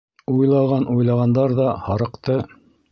Уйлаған-уйлағандар ҙа һарыҡты...